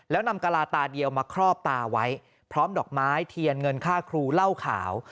แล้วนำกะลาตาเดียวมาครอบตาไว้พร้อมดอกไม้เทียนเงินค่าครูเล่าข่าว